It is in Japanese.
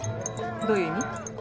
どういう意味？